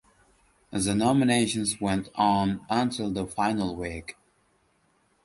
The nominations went on until the final week.